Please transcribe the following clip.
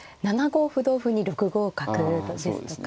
歩同歩に６五角ですとか。